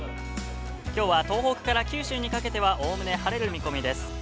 きょうは東北から九州にかけては、おおむね晴れる見込みです。